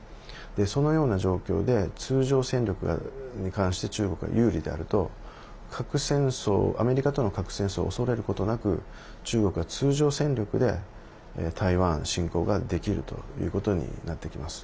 そのような状況で通常戦力に関して中国が有利であるとアメリカとの核戦争を恐れることなく中国が通常戦力で台湾侵攻ができるということになってきます。